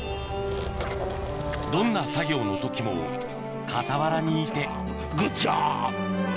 どんな作業の時も傍らにいてグッジョブ！